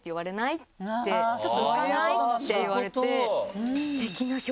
「ちょっと浮かない？」って言われて。